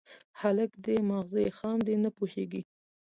_هلک دی، ماغزه يې خام دي، نه پوهېږي.